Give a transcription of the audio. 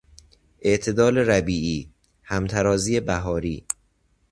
اعتدال ربیعی، همترازی بهاری